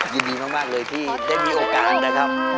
ยินดีมากเลยที่ได้มีโอกาสนะครับ